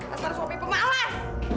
asal suami pemalas